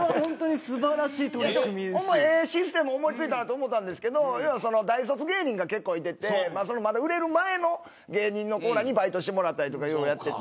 ええシステム思い付いたなと思ったんですけど大卒芸人が結構いて売れる前の芸人にバイトをしてもらったりとかやっていて。